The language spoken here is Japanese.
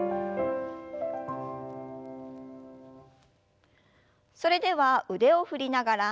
それでは腕を振りながら背中を丸く。